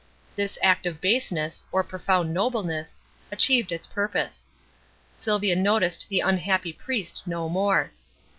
This act of baseness or profound nobleness achieved its purpose. Sylvia noticed the unhappy priest no more.